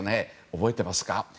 覚えてますか？